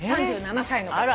３７歳の方。